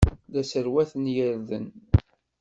La sserwaten irden.